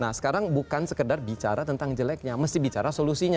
nah sekarang bukan sekedar bicara tentang jeleknya mesti bicara solusinya